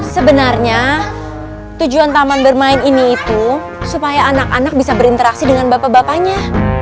sebenarnya tujuan taman bermain ini itu supaya anak anak bisa berinteraksi dengan bapak bapaknya